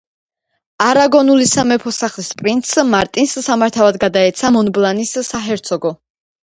არაგონული სამეფო სახლის პრინცს, მარტინს სამართავად გადაეცა მონბლანის საჰერცოგო.